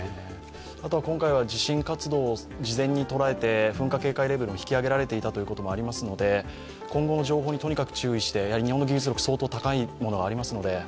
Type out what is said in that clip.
あとは今回は地震活動を事前に捉えて、噴火警戒レベルを高めておいたこともありますし今後の情報にとにかく注意して日本の技術力は相当高いものがありますので。